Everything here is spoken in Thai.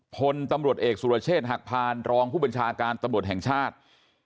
พลตำรวจเอกสุรเชษฐ์หักพานรองผู้บัญชาการตำรวจแห่งชาติ